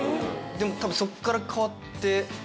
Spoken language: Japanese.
でも多分そこから変わって。